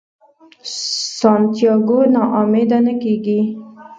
سانتیاګو نا امیده نه کیږي.